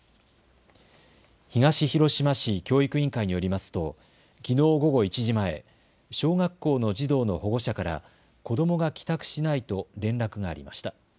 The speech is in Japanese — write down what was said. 東広島市教育委員会によりますときのう午後１時前、小学校の児童の保護者から子どもが帰宅しないと連絡がありました。